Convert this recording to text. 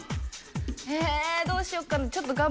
えーどうしよっかな。